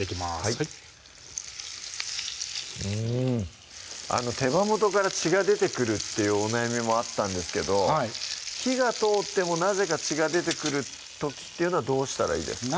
はいうん手羽元から血が出てくるっていうお悩みもあったんですけど火が通ってもなぜか血が出てくる時というのはどうしたらいいですか？